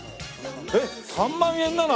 えっ３万円なの？